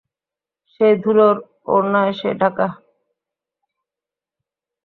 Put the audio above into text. সেই ধুলোর ওড়নায় সে ঢাকা।